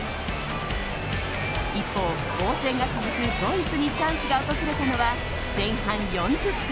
一方、防戦が続くドイツにチャンスが訪れたのは前半４０分。